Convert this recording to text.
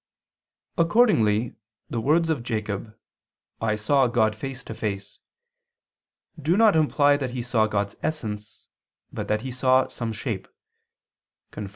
Accordingly the words of Jacob, "I saw God face to face" do not imply that he saw God's essence, but that he saw some shape [*Cf.